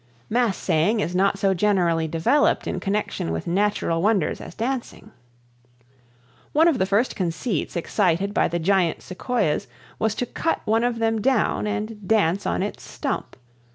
Mass saying is not so generally developed in connection with natural wonders as dancing. One of the first conceits excited by the giant Sequoias was to cut one of them down and dance on its stump.